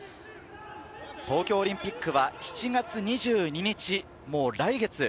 東京オリンピックは７月２２日、もう来月。